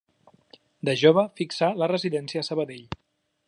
De jove, fixà la residència a Sabadell.